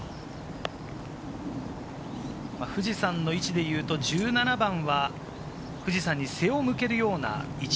富士山の位置でいうと、１７番は富士山に背を向けるような位置。